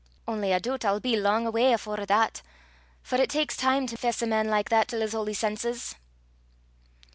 Only I doobt I'll be lang awa afore that, for it taks time to fess a man like that till 's holy senses."